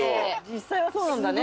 実際はそうなんだね。